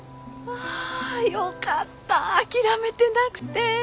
はぁよかった諦めてなくて。